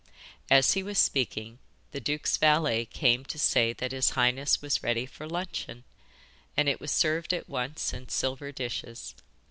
As he was speaking, the duke's valet came to say that his highness was ready for luncheon, and it was served at once in silver dishes.